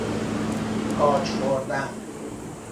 کاج خوردن